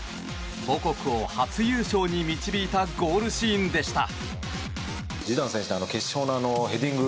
母国を初優勝に導いたゴールシーンでした。